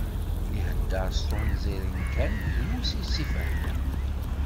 Ihedder s tunẓirin kan, drus i s-ifehhmen.